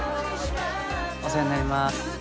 お世話になります。